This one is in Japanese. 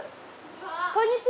こんにちは。